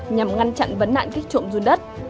nhằm ngăn chặn vấn nạn kích trộm run đất